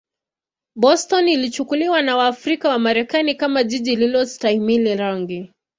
Boston ilichukuliwa na Waafrika-Wamarekani kama jiji lisilostahimili rangi.